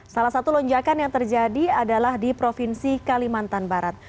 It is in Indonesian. salah satu lonjakan yang terjadi adalah di provinsi kalimantan barat